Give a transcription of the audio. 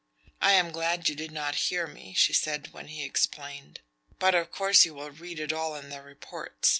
"I am glad you did not hear me," she said when he explained. "But of course you will read it all in the reports.